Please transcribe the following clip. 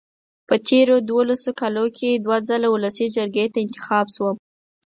په تېرو دولسو کالو کې دوه ځله ولسي جرګې ته انتخاب شوم.